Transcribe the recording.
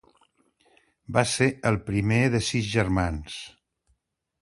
Va ser el primer de sis germans.